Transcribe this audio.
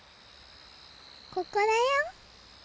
ここだよ！